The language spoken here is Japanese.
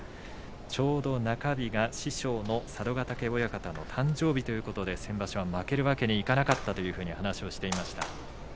ちょうど中日が師匠の佐渡ヶ嶽親方の誕生日ということで、先場所は負けるわけにはいかなかったという話をしていました。